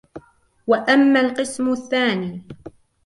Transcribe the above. وَأَمَّا الْقِسْمُ الثَّانِي